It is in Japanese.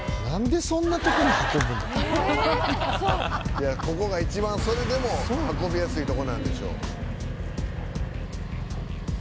いやここが一番それでも運びやすいとこなんでしょう。